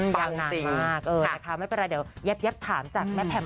ปังจริงนะคะไม่เป็นไรเดี๋ยวเย็บถามจากแม่แพม